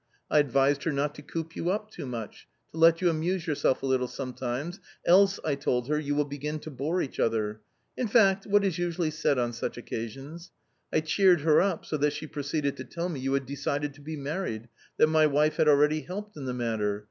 I advised her not to coop you up too much, to let you amuse yourself a little sometimes, else, I told her, you will begin to bore each other — in fact, what is usually said on such occasions. I cheered her up so that she proceeded to tell me you had decided to be married, that my wife had already helped in the matter.